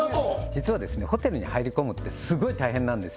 実はホテルに入り込むってすごい大変なんですよ